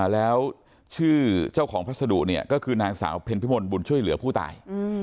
แล้วชื่อเจ้าของพัสดุเนี่ยก็คือนางสาวเพ็ญพิมลบุญช่วยเหลือผู้ตาย